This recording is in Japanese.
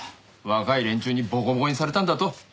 若い連中にボコボコにされたんだと。